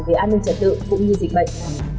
về an ninh trật tự cũng như dịch bệnh